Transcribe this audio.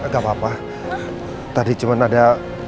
gapapa tadi cuman ada